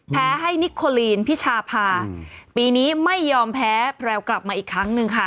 แพ้ให้นิโคลีนพิชาพาปีนี้ไม่ยอมแพ้แพรวกลับมาอีกครั้งหนึ่งค่ะ